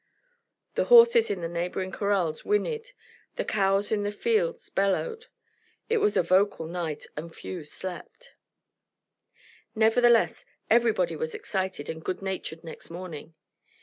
The horses in the neighbouring corrals whinnied; the cows in the fields bellowed. It was a vocal night, and few slept. Nevertheless everybody was excited and good natured next morning.